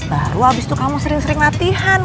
baru habis itu kamu sering sering latihan